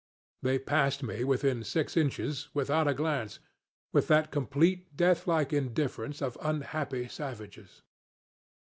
They passed me within six inches, without a glance, with that complete, deathlike indifference of unhappy savages.